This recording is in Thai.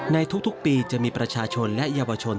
ในทุกปีจะมีประชาชนและเยาวชน